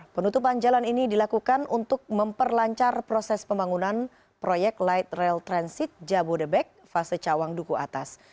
penutupan jalan ini dilakukan untuk memperlancar proses pembangunan proyek light rail transit jabodebek fase cawang duku atas